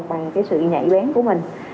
bằng sự nhạy bén của mình